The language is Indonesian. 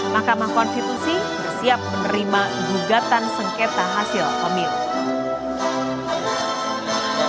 mahkamah konstitusi bersiap menerima gugatan sengketa hasil pemilu